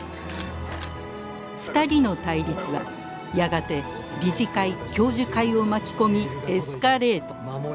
２人の対立はやがて理事会教授会を巻き込みエスカレート。